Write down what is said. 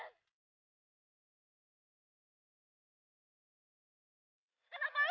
aku mau pergi kemana mana